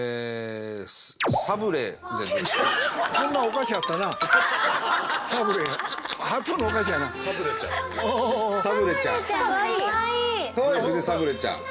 サブレちゃん。